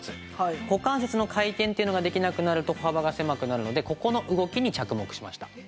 股関節の回転ってのができなくなると歩幅が狭くなるのでここの動きに着目しました。